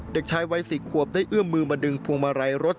เด็กชายวัย๔ขวบได้เอื้อมมือมาดึงพวงมาลัยรถ